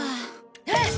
えっ！？